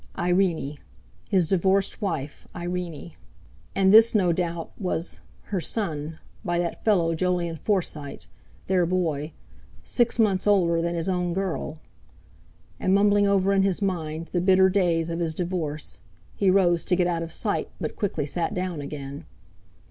Irene! His divorced wife—Irene! And this, no doubt, was—her son—by that fellow Jolyon Forsyte—their boy, six months older than his own girl! And mumbling over in his mind the bitter days of his divorce, he rose to get out of sight, but quickly sat down again.